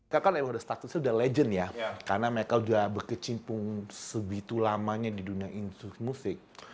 kan memang statusnya sudah legend ya karena mereka sudah berkecimpung sebitu lamanya di dunia institusi musik